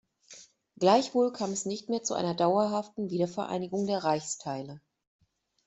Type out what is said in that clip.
Gleichwohl kam es nicht mehr zu einer dauerhaften Wiedervereinigung der Reichsteile.